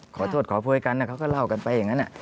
ขอโทษขอโพยกันเขาก็เล่ากันไปอย่างนั้น